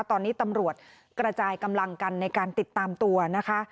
ตอนนี้ตำรวจกระจายกำลังกันในการติดตามตัวนะคะ